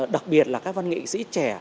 đặc biệt là các văn nghệ sĩ trẻ